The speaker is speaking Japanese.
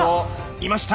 いました！